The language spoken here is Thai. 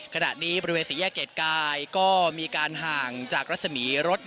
ขณะนี้บริเวณศรีแยกเกดใกล้ก็มีการห่างจากรัศมีรถ